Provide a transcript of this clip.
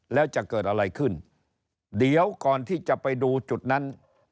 แล้วจะเกิดอะไรขึ้นเดี๋ยวก่อนที่จะไปดูจุดนั้น